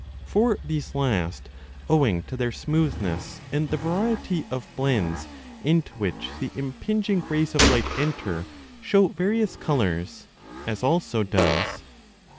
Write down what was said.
For these last, owing to their smoothness 10 and the variety of blends into which the impinging rays of light enter, show various colours, as also does